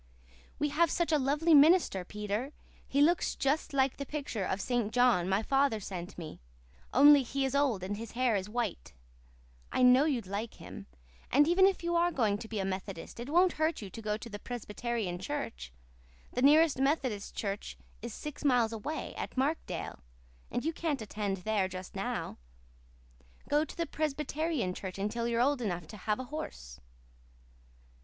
"We have such a lovely minister, Peter. He looks just like the picture of St. John my father sent me, only he is old and his hair is white. I know you'd like him. And even if you are going to be a Methodist it won't hurt you to go to the Presbyterian church. The nearest Methodist church is six miles away, at Markdale, and you can't attend there just now. Go to the Presbyterian church until you're old enough to have a horse."